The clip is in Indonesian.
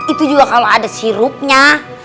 itu juga kalau ada sirupnya